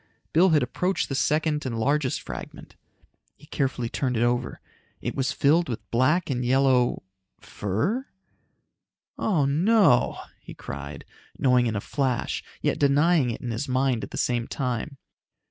Bill had approached the second and largest fragment. He carefully turned it over. It was filled with black and yellow ... fur? "Oh no!" he cried, knowing in a flash, yet denying it in his mind at the same time.